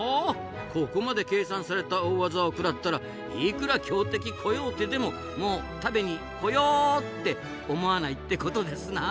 ここまで計算された大技を食らったらいくら強敵コヨーテでももう食べにコヨーって思わないってことですな。